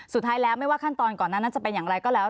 สุดท้ายแล้วไม่ว่าขั้นตอนก่อนนั้นจะเป็นอย่างไรก็แล้ว